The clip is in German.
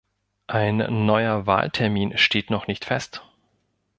Ein neuer Wahltermin steht noch nicht fest.